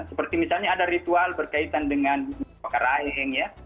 seperti misalnya ada ritual berkaitan dengan pakar aeng ya